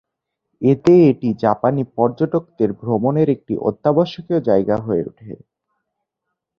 এতে এটি জাপানি পর্যটকদের ভ্রমণের একটি অত্যাবশ্যকীয় জায়গা হয়ে ওঠে।